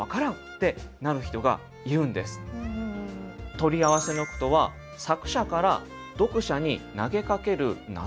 「取り合わせ」の句とは作者から読者に投げかけるなぞなぞ。